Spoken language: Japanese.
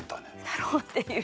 何だろうっていう。